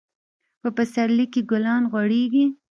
په پسرلي کي ګلان غوړيږي.